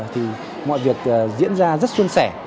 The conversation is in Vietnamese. thì mọi việc diễn ra rất xuân sẻ